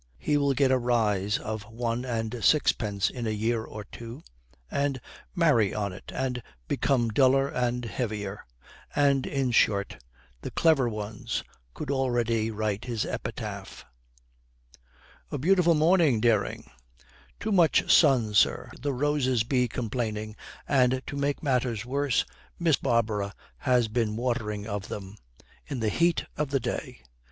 He will get a rise of one and sixpence in a year or two, and marry on it and become duller and heavier; and, in short, the clever ones could already write his epitaph. 'A beautiful morning, Dering.' 'Too much sun, sir. The roses be complaining, and, to make matters worse, Miss Barbara has been watering of them in the heat of the day.'